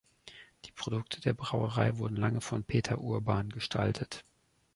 Die Produkte der Brauerei wurden lange von Petr Urban gestaltet.